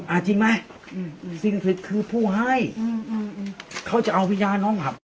อ่าจริงไหมอืมอืมสิ่งศิษฐ์คือผู้ให้อืมอืมเขาจะเอาวิญญาณน้องครับ